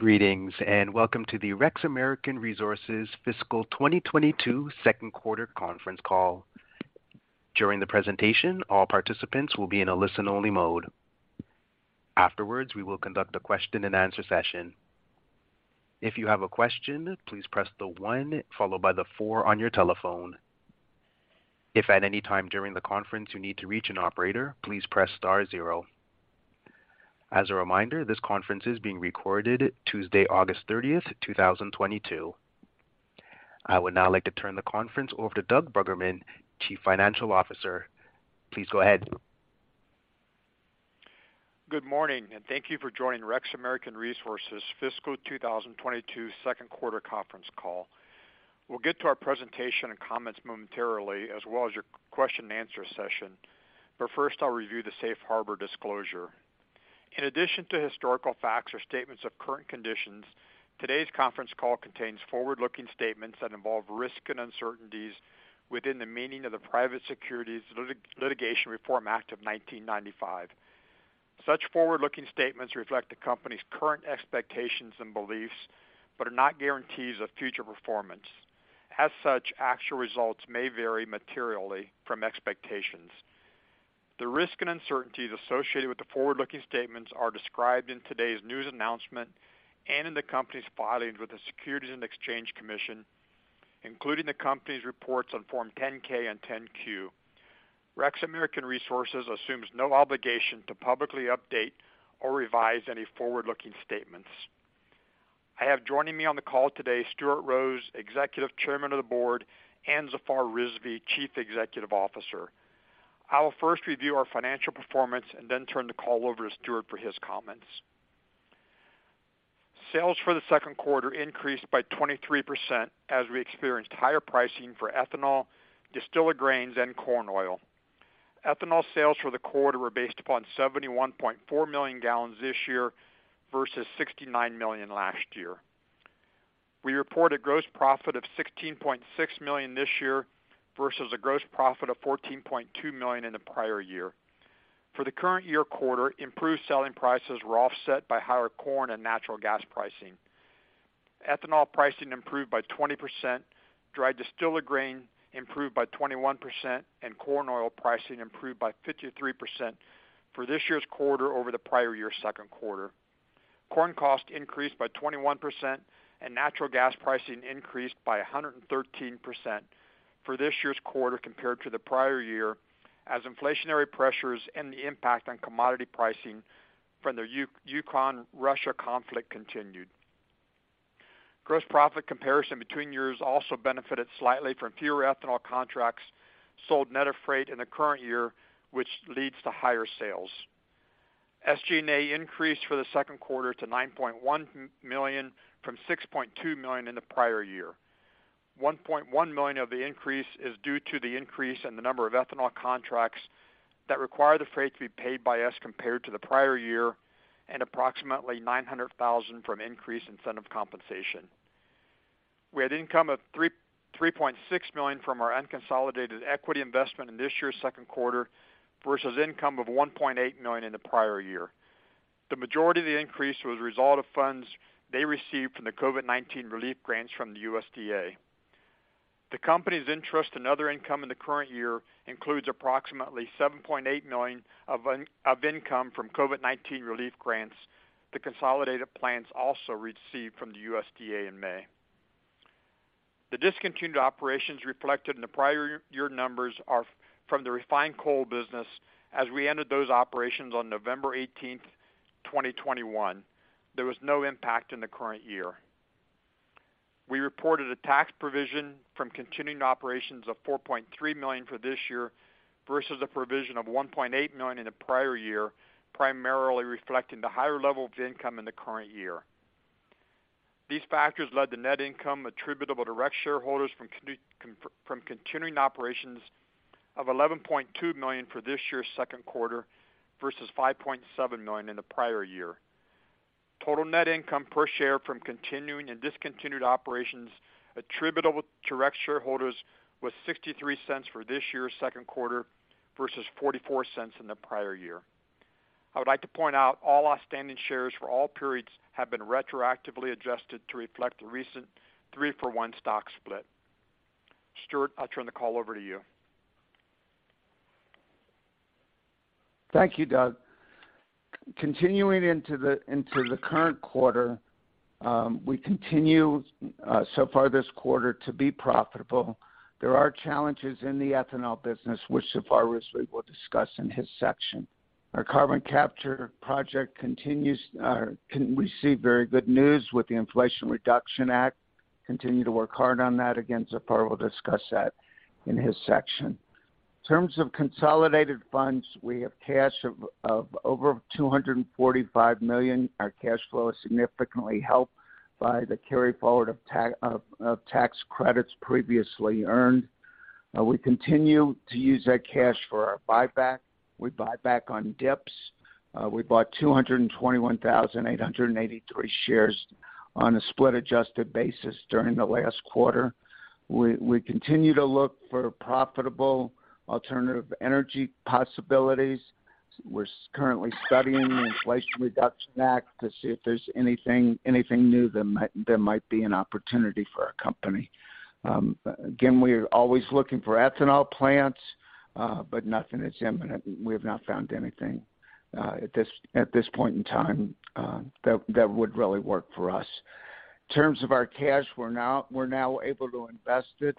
Greetings, and welcome to the REX American Resources Fiscal 2022 second quarter conference call. During the presentation, all participants will be in a listen-only mode. Afterwards, we will conduct a question-and-answer session. If you have a question, please press the one followed by the four on your telephone. If at any time during the conference you need to reach an operator, please press star 0. As a reminder, this conference is being recorded Tuesday, August 30th, 2022. I would now like to turn the conference over to Douglas Bruggeman, Chief Financial Officer. Please go ahead. Good morning, and thank you for joining REX American Resources Fiscal 2022 second quarter conference call. We'll get to our presentation and comments momentarily as well as your question and answer session. First, I'll review the safe harbor disclosure. In addition to historical facts or statements of current conditions, today's conference call contains forward-looking statements that involve risk and uncertainties within the meaning of the Private Securities Litigation Reform Act of 1995. Such forward-looking statements reflect the company's current expectations and beliefs, but are not guarantees of future performance. As such, actual results may vary materially from expectations. The risks and uncertainties associated with the forward-looking statements are described in today's news announcement and in the company's filings with the Securities and Exchange Commission, including the company's reports on Form 10-K and 10-Q. REX American Resources assumes no obligation to publicly update or revise any forward-looking statements. Joining me on the call today, Stuart Rose, Executive Chairman of the Board, and Zafar Rizvi, Chief Executive Officer. I will first review our financial performance and then turn the call over to Stuart for his comments. Sales for the second quarter increased by 23% as we experienced higher pricing for ethanol, distillers grains, and corn oil. Ethanol sales for the quarter were based upon 71.4 million gallons this year versus 69 million last year. We reported gross profit of $16.6 million this year versus a gross profit of $14.2 million in the prior year. For the current year quarter, improved selling prices were offset by higher corn and natural gas pricing. Ethanol pricing improved by 20%, dried distiller grain improved by 21%, and corn oil pricing improved by 53% for this year's quarter over the prior year's second quarter. Corn cost increased by 21%, and natural gas pricing increased by 113% for this year's quarter compared to the prior year as inflationary pressures and the impact on commodity pricing from the Ukraine-Russia conflict continued. Gross profit comparison between years also benefited slightly from fewer ethanol contracts sold net of freight in the current year, which leads to higher sales. SG&A increased for the second quarter to $9.1 million from $6.2 million in the prior year. $1.1 million of the increase is due to the increase in the number of ethanol contracts that require the freight to be paid by us compared to the prior year and approximately $900,000 from increase in incentive compensation. We had income of $3.6 million from our unconsolidated equity investment in this year's second quarter versus income of $1.8 million in the prior year. The majority of the increase was a result of funds they received from the COVID-19 relief grants from the USDA. The company's interest and other income in the current year includes approximately $7.8 million of income from COVID-19 relief grants the consolidated plants also received from the USDA in May. The discontinued operations reflected in the prior year numbers are from the refined coal business as we ended those operations on November 18th, 2021. There was no impact in the current year. We reported a tax provision from continuing operations of $4.3 million for this year versus a provision of $1.8 million in the prior year, primarily reflecting the higher level of income in the current year. These factors led to net income attributable to REX shareholders from continuing operations of $11.2 million for this year's second quarter versus $5.7 million in the prior year. Total net income per share from continuing and discontinued operations attributable to REX shareholders was $0.63 for this year's second quarter versus $0.44 in the prior year. I would like to point out all outstanding shares for all periods have been retroactively adjusted to reflect the recent 3-for-1 stock split. Stuart, I'll turn the call over to you. Thank you, Doug. Continuing into the current quarter, we continue so far this quarter to be profitable. There are challenges in the ethanol business, which Zafar Rizvi will discuss in his section. Our carbon capture project continues and we see very good news with the Inflation Reduction Act. Continue to work hard on that. Again, Zafar will discuss that in his section. In terms of consolidated funds, we have cash of over $245 million. Our cash flow is significantly helped by the carry-forward of tax credits previously earned. We continue to use that cash for our buyback. We buy back on dips. We bought 221,883 shares on a split adjusted basis during the last quarter. We continue to look for profitable alternative energy possibilities. We're currently studying the Inflation Reduction Act to see if there's anything new that might be an opportunity for our company. Again, we are always looking for ethanol plants, but nothing is imminent. We have not found anything at this point in time that would really work for us. In terms of our cash, we're now able to invest it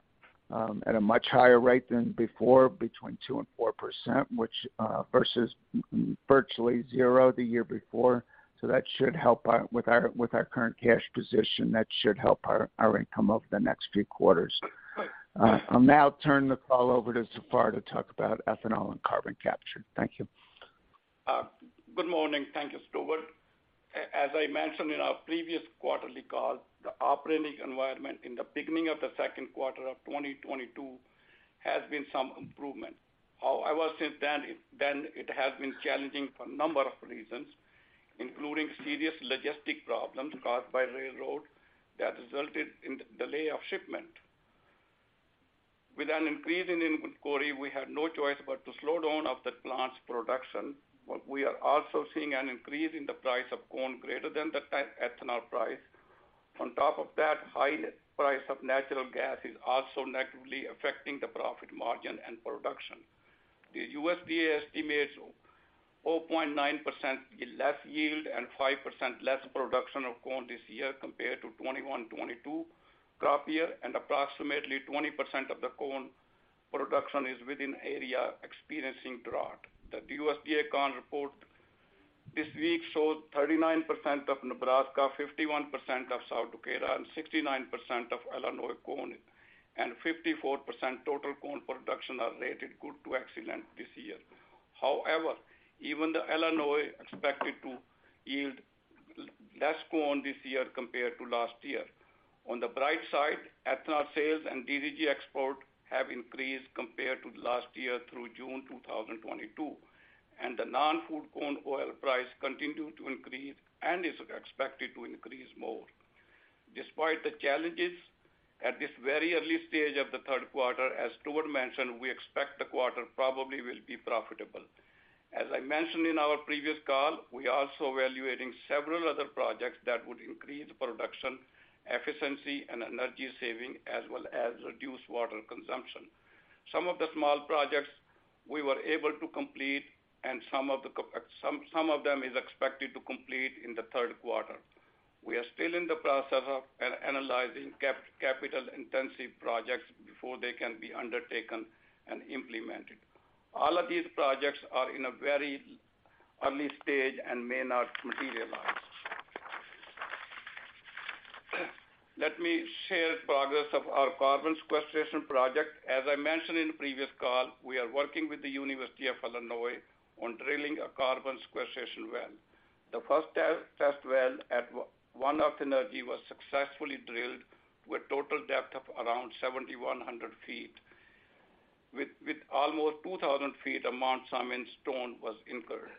at a much higher rate than before, between 2% and 4%, which versus virtually zero the year before. That should help with our current cash position, that should help our income over the next few quarters. I'll now turn the call over to Zafar to talk about ethanol and carbon capture. Thank you. Good morning. Thank you, Stuart. As I mentioned in our previous quarterly call, the operating environment in the beginning of the second quarter of 2022 has been some improvement. However, since then it has been challenging for a number of reasons, including serious logistic problems caused by railroad that resulted in delay of shipment. With an increase in inventory, we had no choice but to slow down of the plant's production. We are also seeing an increase in the price of corn greater than the ethanol price. On top of that, high price of natural gas is also negatively affecting the profit margin and production. The USDA estimates 0.9% less yield and 5% less production of corn this year compared to 2021, 2022 crop year, and approximately 20% of the corn production is within area experiencing drought. The USDA corn report this week showed 39% of Nebraska, 51% of South Dakota, and 69% of Illinois corn, and 54% total corn production are rated good to excellent this year. However, even the Illinois expected to yield less corn this year compared to last year. On the bright side, ethanol sales and DDG export have increased compared to last year through June 2022, and the non-food corn oil price continued to increase and is expected to increase more. Despite the challenges, at this very early stage of the third quarter, as Stuart mentioned, we expect the quarter probably will be profitable. As I mentioned in our previous call, we are also evaluating several other projects that would increase production, efficiency, and energy saving, as well as reduce water consumption. Some of the small projects we were able to complete, and some of them is expected to complete in the third quarter. We are still in the process of analyzing capital intensive projects before they can be undertaken and implemented. All of these projects are in a very early stage and may not materialize. Let me share progress of our carbon sequestration project. As I mentioned in the previous call, we are working with the University of Illinois on drilling a carbon sequestration well. The first test well at One Earth Energy was successfully drilled with total depth of around 7,100 feet. With almost 2,000 feet a Mount Simon Sandstone was incurred.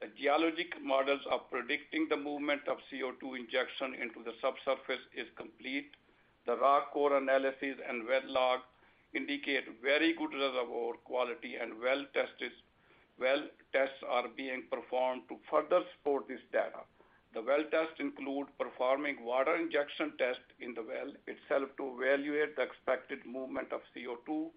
The geologic models are predicting the movement of CO2 injection into the subsurface is complete. The rock core analysis and well log indicate very good reservoir quality and well tests are being performed to further support this data. The well tests include performing water injection tests in the well itself to evaluate the expected movement of CO2,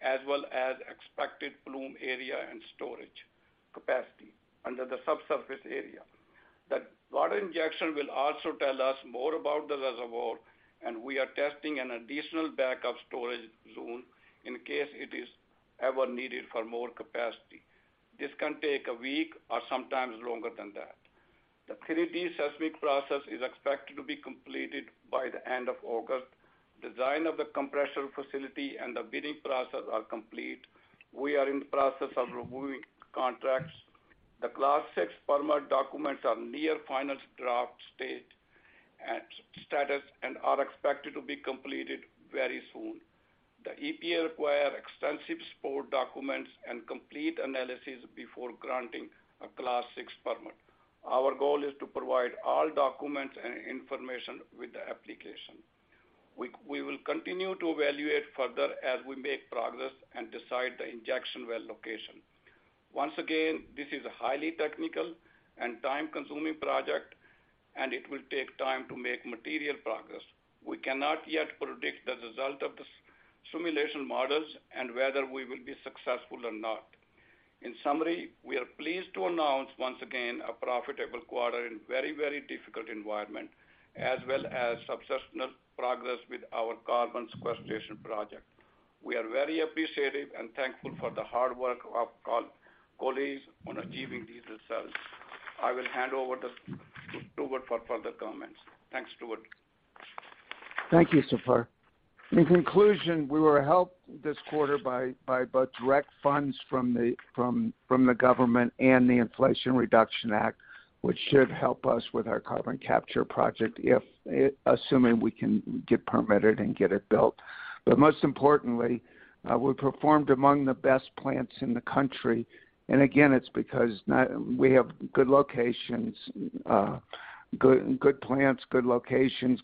as well as expected plume area and storage capacity under the subsurface area. The water injection will also tell us more about the reservoir, and we are testing an additional backup storage zone in case it is ever needed for more capacity. This can take a week or sometimes longer than that. The 3D seismic process is expected to be completed by the end of August. Design of the compressor facility and the bidding process are complete. We are in the process of reviewing contracts. The Class VI permit documents are near-final-draft status and are expected to be completed very soon. The EPA require extensive support documents and complete analysis before granting a Class VI permit. Our goal is to provide all documents and information with the application. We will continue to evaluate further as we make progress and decide the injection well location. Once again, this is a highly technical and time-consuming project, and it will take time to make material progress. We cannot yet predict the result of the simulation models and whether we will be successful or not. In summary, we are pleased to announce once again a profitable quarter in very, very difficult environment, as well as substantial progress with our carbon sequestration project. We are very appreciative and thankful for the hard work of our colleagues on achieving these results. I will hand over to Stuart for further comments. Thanks, Stuart. Thank you, Zafar. In conclusion, we were helped this quarter by both direct funds from the government and the Inflation Reduction Act, which should help us with our carbon capture project assuming we can get permitted and get it built. Most importantly, we performed among the best plants in the country, and again, it's because we have good locations, good plants, good locations,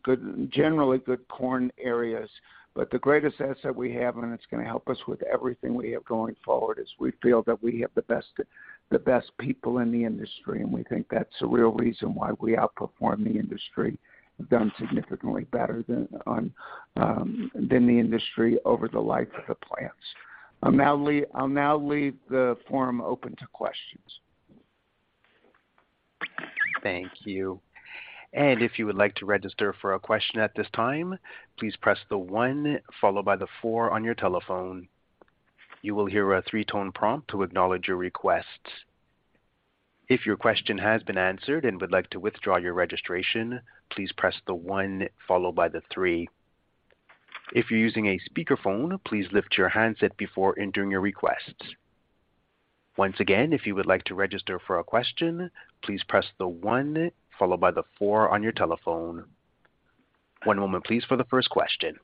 generally good corn areas. The greatest asset we have, and it's gonna help us with everything we have going forward, is we feel that we have the best people in the industry, and we think that's the real reason why we outperform the industry. We've done significantly better than the industry over the life of the plants. I'll now leave the forum open to questions. Thank you. If you would like to register for a question at this time, please press the one followed by the four on your telephone. You will hear a three-tone prompt to acknowledge your request. If your question has been answered and would like to withdraw your registration, please press the one followed by the three. If you're using a speakerphone, please lift your handset before entering your request. Once again, if you would like to register for a question, please press the one followed by the four on your telephone. One moment please for the first question.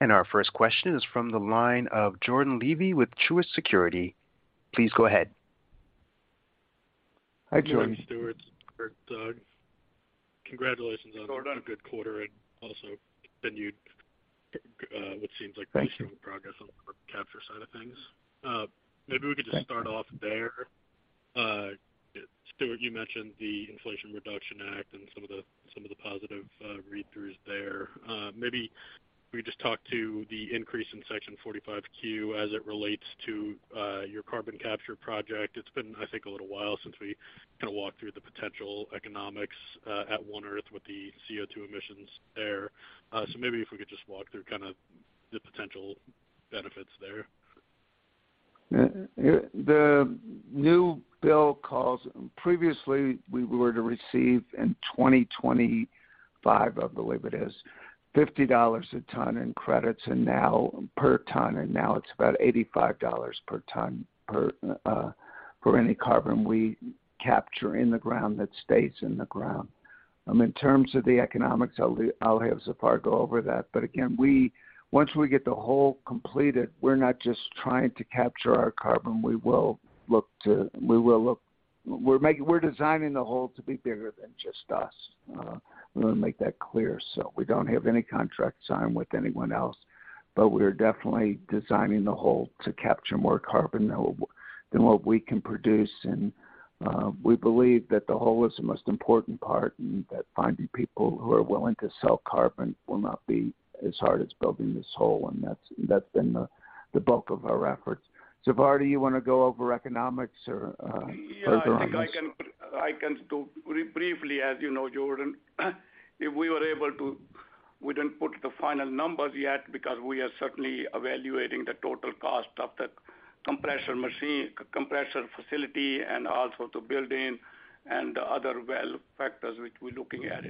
Our first question is from the line of Jordan Levy with Truist Securities. Please go ahead. Hi, Jordan. Jordan Levy: Stuart, congratulations on. Jordan A good quarter and also continued what seems like Thank you. Pretty strong progress on the carbon capture side of things. Maybe we could just start off there. Stuart, you mentioned the Inflation Reduction Act and some of the positive read-throughs there. Maybe we just talk to the increase in Section 45Q as it relates to your carbon capture project. It's been a little while since we walked through the potential economics at One Earth with the CO2 emissions there. So maybe if we could just walk through kind of the potential benefits there. Previously, we were to receive in 2025, I believe it is, $50 a ton in credits, and now it's about $85 per ton for any carbon we capture in the ground that stays in the ground. In terms of the economics, I'll have Zafar go over that. Again, once we get the hole completed, we're not just trying to capture our carbon. We're designing the hole to be bigger than just us. We want to make that clear. We don't have any contract signed with anyone else, but we're definitely designing the hole to capture more carbon than what we can produce. We believe that the hole is the most important part, and that finding people who are willing to sell carbon will not be as hard as building this hole, and that's been the bulk of our efforts. Zafar, do you wanna go over economics or further on this? I think I can talk briefly. As you know, Jordan, we didn't put the final numbers yet because we are certainly evaluating the total cost of the compressor facility and also the building and the other well factors which we're looking at.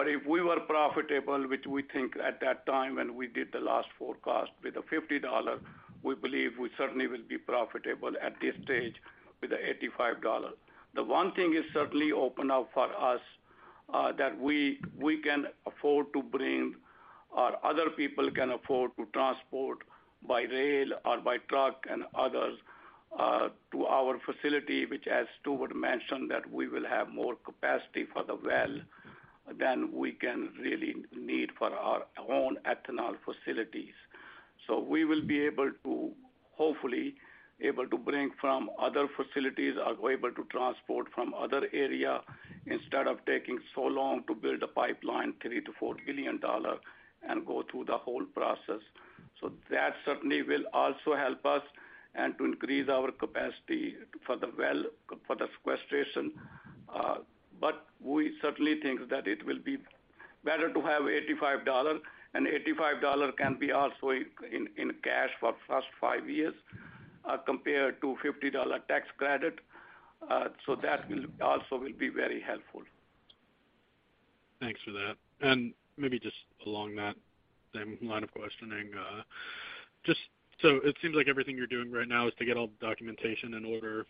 If we were profitable, which we think at that time when we did the last forecast with the $50, we believe we certainly will be profitable at this stage with the $85. The one thing opens up for us, that we can afford to bring or other people can afford to transport by rail or by truck and others to our facility, which as Stuart mentioned, that we will have more capacity for the well than we can really need for our own ethanol facilities. We will be able to, hopefully, able to bring from other facilities or able to transport from other area instead of taking so long to build a pipeline, $3-$4 billion and go through the whole process. That certainly will also help us and to increase our capacity for the well, for the sequestration. But we certainly think that it will be better to have $85, and $85 can be also in cash for first five years, compared to $50 tax credit. That will also be very helpful. Thanks for that. Maybe just along that same line of questioning, just so it seems like everything you're doing right now is to get all the documentation in order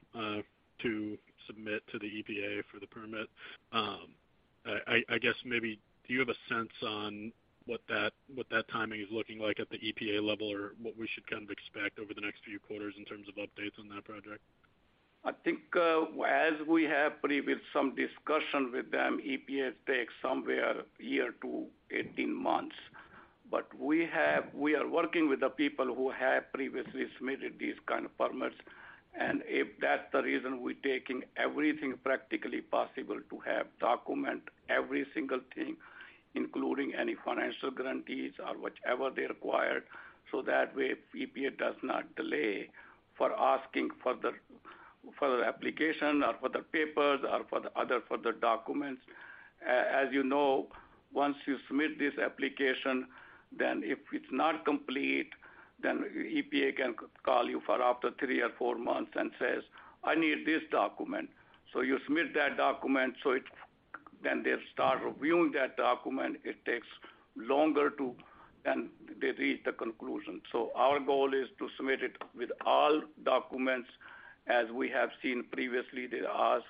to submit to the EPA for the permit. I guess maybe do you have a sense on what that timing is looking like at the EPA level or what we should kind of expect over the next few quarters in terms of updates on that project? I think, as we have previous some discussion with them, EPA takes somewhere a year to 18 months. We are working with the people who have previously submitted these kind of permits. If that's the reason we're taking everything practically possible to have document every single thing, including any financial guarantees or whichever they required, so that way EPA does not delay for asking for the, for the application or for the papers or for the other further documents. As you know, once you submit this application, then if it's not complete, then EPA can call you for after three or four months and says, "I need this document." You submit that document, then they start reviewing that document. It takes longer to then they reach the conclusion. Our goal is to submit it with all documents as we have seen previously they ask,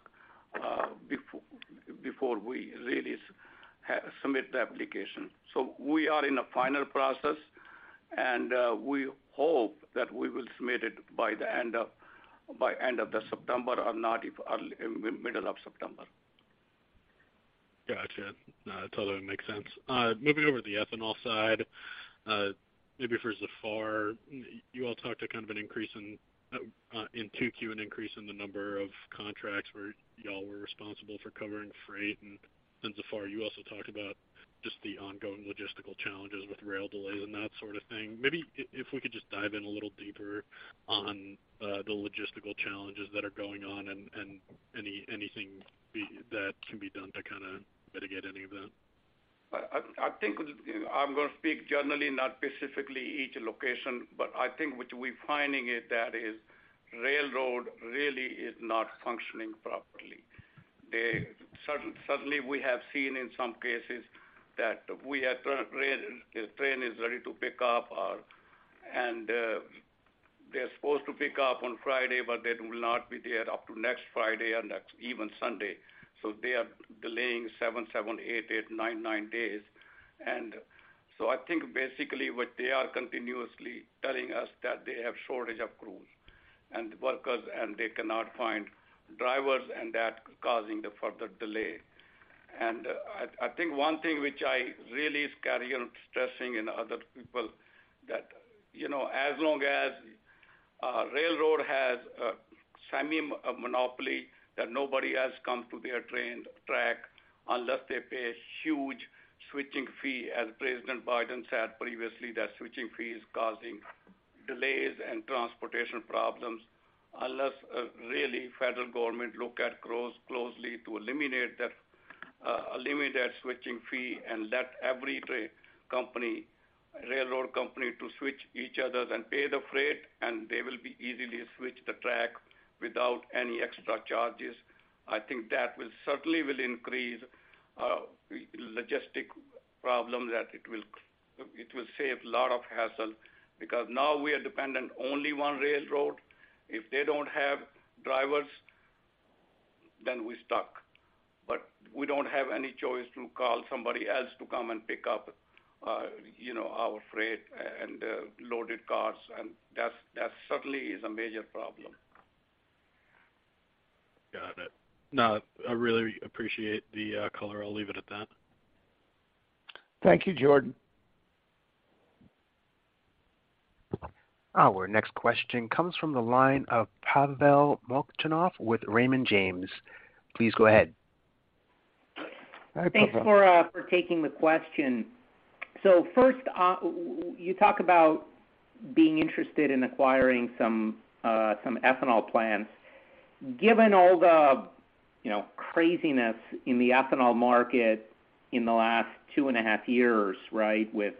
before we really submit the application. We are in a final process, and we hope that we will submit it by the end of September or, if earlier, in the middle of September. Gotcha. No, it totally makes sense. Moving over to the ethanol side, maybe for Zafar, you all talked about kind of an increase in 2Q, an increase in the number of contracts where y'all were responsible for covering freight. And Zafar, you also talked about just the ongoing logistical challenges with rail delays and that sort of thing. Maybe if we could just dive in a little deeper on the logistical challenges that are going on and anything that can be done to kinda mitigate any of that. I think I'm gonna speak generally, not specifically each location, but I think what we're finding is that the railroad really is not functioning properly. Certainly, we have seen in some cases that the train is ready to pick up, and they're supposed to pick up on Friday, but they will not be there up to next Friday or next even Sunday. They are delaying [seven, eight, nine]days. I think basically what they are continuously telling us is that they have shortage of crews and workers, and they cannot find drivers, and that causing the further delay. I think one thing which I really keep on stressing to other people that, you know, as long as the railroad has a semi-monopoly that nobody has come to their train track unless they pay a huge switching fee. As Joe Biden said previously, that switching fee is causing delays and transportation problems. Unless the federal government looks closely to eliminate that switching fee and let every railroad company switch with each other and pay the freight, and they will be able to easily switch the track without any extra charges. I think that will certainly decrease the logistics problem that it will save a lot of hassle because now we are dependent on only one railroad. If they don't have drivers, then we're stuck. We don't have any choice to call somebody else to come and pick up, you know, our freight and loaded cars. That certainly is a major problem. Got it. No, I really appreciate the color. I'll leave it at that. Thank you, Jordan. Our next question comes from the line of Pavel Molchanov with Raymond James. Please go ahead. Hi, Pavel. Thanks for taking the question. First, you talk about being interested in acquiring some ethanol plants. Given all the, you know, craziness in the ethanol market in the last 2.5 Years, right, with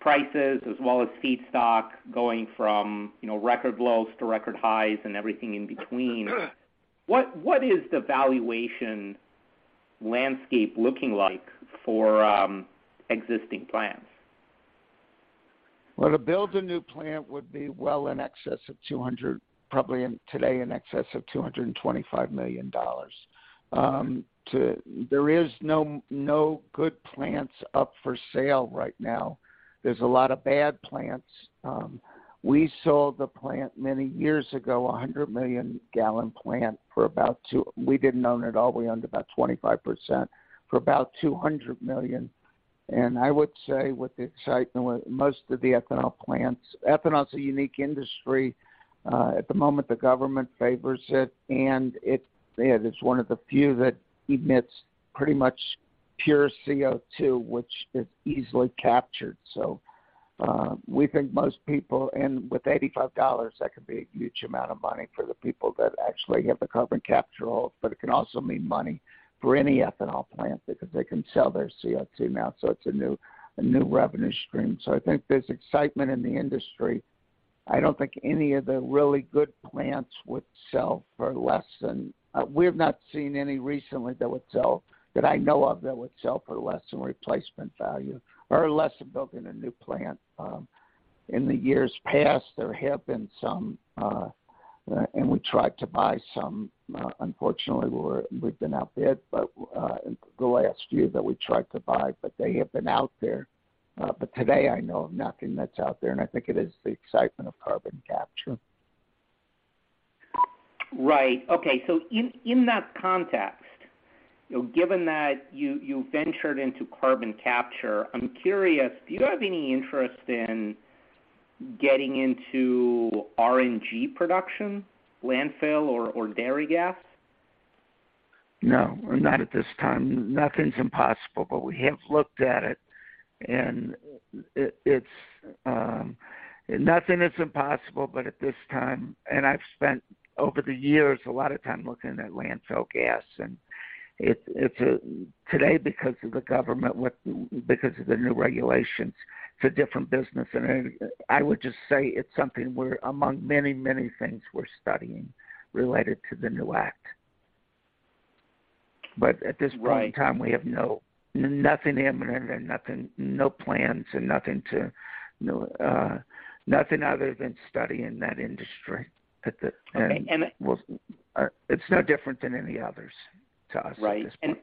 prices as well as feedstock going from, you know, record lows to record highs and everything in between, what is the valuation landscape looking like for existing plants? To build a new plant would be well in excess of 200, probably in today's, in excess of $225 million. There are no good plants up for sale right now. There's a lot of bad plants. We sold the plant many years ago, a 100-million gallon plant. We didn't own it all. We owned about 25% for about $200 million. I would say with the excitement with most of the ethanol plants. Ethanol is a unique industry. At the moment the government favors it. Yeah, it's one of the few that emits pretty much pure CO2, which is easily captured. We think most people. With $85, that could be a huge amount of money for the people that actually have the carbon capture hole, but it can also mean money for any ethanol plant because they can sell their CO2 now. It's a new revenue stream. I think there's excitement in the industry. I don't think any of the really good plants would sell for less than replacement value or less than building a new plant. We've not seen any recently that would sell, that I know of, for less than replacement value or less than building a new plant. In the years past, there have been some, and we tried to buy some. Unfortunately, we've been outbid, but the last year that we tried to buy, but they have been out there. Today, I know of nothing that's out there, and I think it is the excitement of carbon capture. Right. Okay. In that context, you know, given that you ventured into carbon capture, I'm curious, do you have any interest in getting into RNG production, landfill or dairy gas? No, not at this time. Nothing's impossible, but we have looked at it and it's nothing is impossible, but at this time. I've spent over the years a lot of time looking at landfill gas and it's a different business today because of the government because of the new regulations. I would just say it's something we're among many, many things we're studying related to the new act. At this point in time, we have nothing imminent and no plans, nothing other than studying that industry at the- Okay. Well, it's no different than any others to us at this point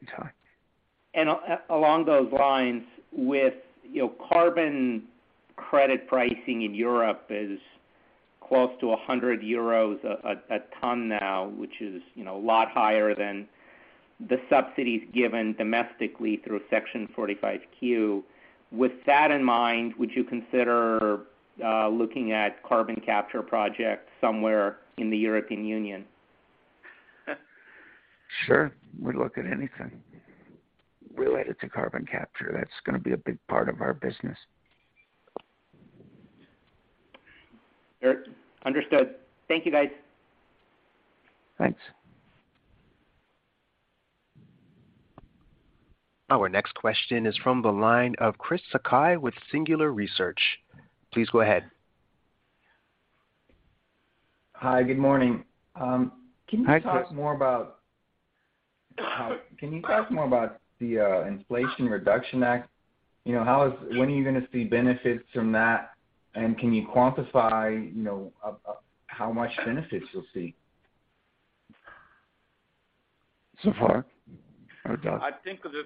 in time. Along those lines with, you know, carbon credit pricing in Europe is close to 100 euros a ton now, which is, you know, a lot higher than the subsidies given domestically through Section 45Q. With that in mind, would you consider looking at carbon capture projects somewhere in the European Union? Sure. We'd look at anything related to carbon capture. That's gonna be a big part of our business. Sure. Understood. Thank you, guys. Thanks. Our next question is from the line of Chris Sakai with Singular Research. Please go ahead. Hi, good morning. Hi, Chris. Can you talk more about the Inflation Reduction Act? You know, when are you gonna see benefits from that? Can you quantify, you know, how much benefits you'll see? Far? I doubt. I think the,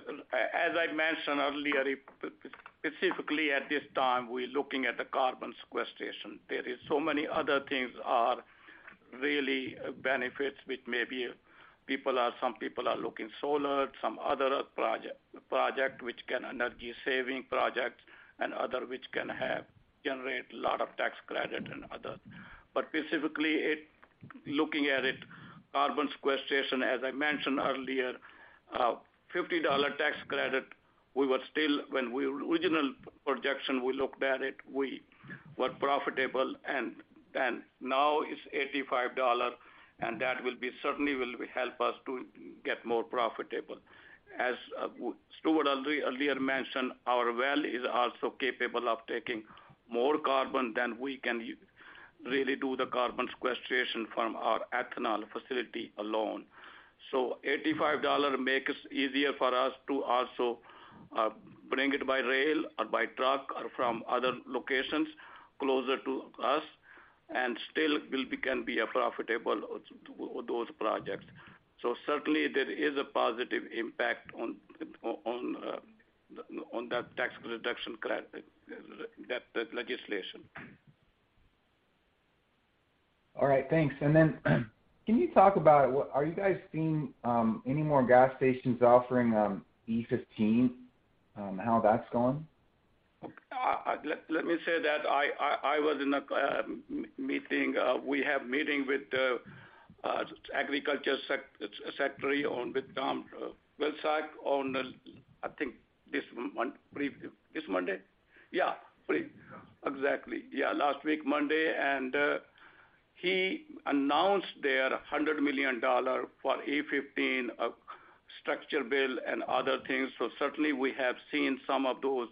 as I mentioned earlier, specifically at this time, we're looking at the carbon sequestration. There is so many other things are really benefits which maybe people are, some people are looking solar, some other project which can energy saving projects and other which can have generate a lot of tax credit and other. Specifically it, looking at it, carbon sequestration, as I mentioned earlier, $50 tax credit, we were still when original projection, we looked at it, we were profitable and now it's $85, and that will certainly help us to get more profitable. As Stuart earlier mentioned, our well is also capable of taking more carbon than we can really do the carbon sequestration from our ethanol facility alone. So $85 makes it easier for us to also bring it by rail or by truck or from other locations closer to us, and still can be a profitable to those projects. Certainly there is a positive impact on that tax reduction credit, that legislation. All right, thanks. Then can you talk about what are you guys seeing, any more gas stations offering E15, how that's going? I was in a meeting with the agriculture secretary, Tom Vilsack, last Monday. He announced their $100 million for E15 infrastructure bill and other things. Certainly we have seen some of those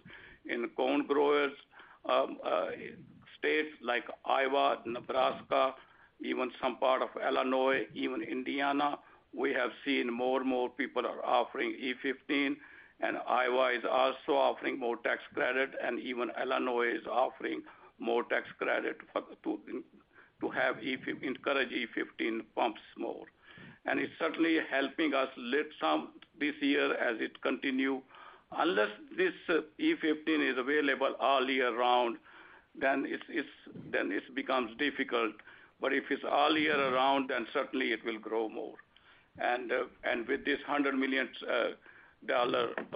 in corn growers in states like Iowa, Nebraska, even some part of Illinois, even Indiana. We have seen more and more people are offering E15, and Iowa is also offering more tax credit, and even Illinois is offering more tax credit to encourage E15 pumps more. It's certainly helping us lift some this year as it continue. Unless this E15 is available all year round, then it becomes difficult. If it's all year round, then certainly it will grow more. With this $100 million,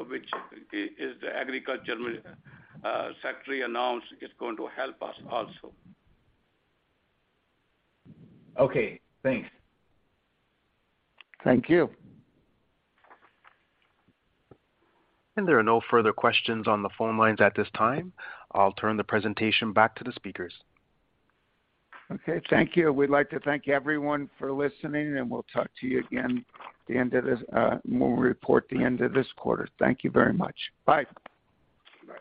which the Agricultural Secretary announced, it's going to help us also. Okay, thanks. Thank you. There are no further questions on the phone lines at this time. I'll turn the presentation back to the speakers. Okay, thank you. We'd like to thank everyone for listening, and we'll talk to you again at the end of this quarter. Thank you very much. Bye. Bye.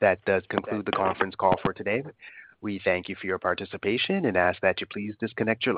That does conclude the conference call for today. We thank you for your participation and ask that you please disconnect your lines.